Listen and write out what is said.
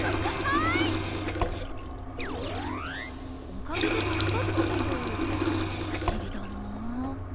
おかげで助かったけど不思議だな。